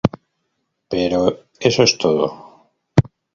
Pero eso es todo.